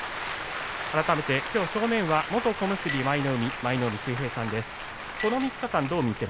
改めてきょう正面は元小結舞の海舞の海秀平さんです。